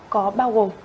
có bao gồm